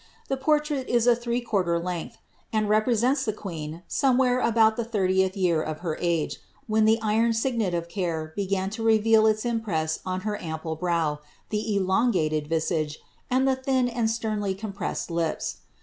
The portrait is a thref (]uBrter length, and represents the queen, eoraewhcre about the thiniedi year of her age, when the iron signet of care began to reveal its impresi on her ample brow, the elongated visage, and the thin and sternly com pressed lips.